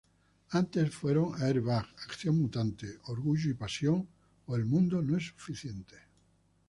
Antes fueron Airbag, Acción mutante, Orgullo y pasión o El mundo no es suficiente.